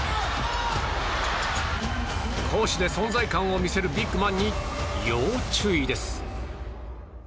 攻守で存在感を見せるビッグマンに要注意です。